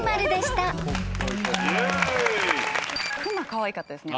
熊かわいかったですね。